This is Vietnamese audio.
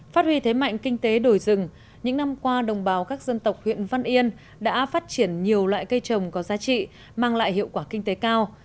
phát huy thế mạnh kinh tế đổi rừng những năm qua đồng bào các dân tộc huyện văn yên đã phát triển nhiều loại cây trồng có giá trị mang lại hiệu quả kinh tế cao